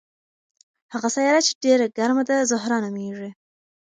هغه سیاره چې ډېره ګرمه ده زهره نومیږي.